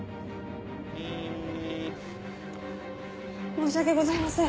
申し訳ございません